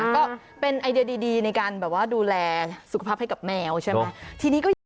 ก็เป็นไอเดียดีในการแบบว่าดูแลสุขภาพให้กับแมวใช่ไหม